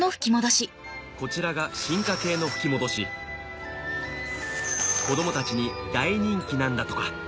こちらが進化系の吹き戻し子どもたちに大人気なんだとか